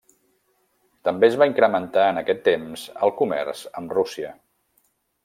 També es va incrementar en aquest temps el comerç amb Rússia.